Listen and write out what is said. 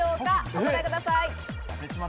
お答えください。